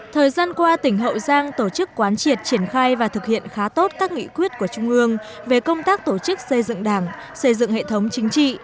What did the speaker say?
thời gian qua tỉnh hậu giang tổ chức quán triệt triển khai và thực hiện khá tốt các nghị quyết của trung ương về công tác tổ chức xây dựng đảng xây dựng hệ thống chính trị